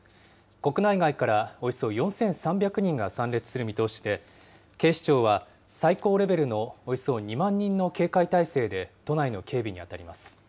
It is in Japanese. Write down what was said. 国内外からおよそ４３００人が参列する見通しで、警視庁は、最高レベルのおよそ２万人の警戒態勢で、都内の警備に当たります。